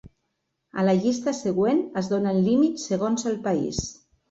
A la llista següent es donen límits segons el país.